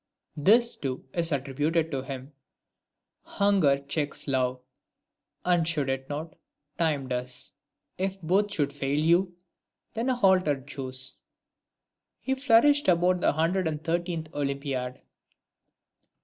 This, too, is attributed to him: — Hunger checks love ; and should it not, time does. If both should fail you, then a halter choose. III. He flourished about the hundred and thirteenth olympiad.